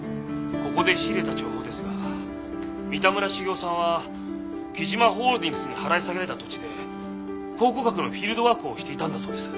ここで仕入れた情報ですが三田村重雄さんは貴島ホールディングスに払い下げられた土地で考古学のフィールドワークをしていたんだそうです。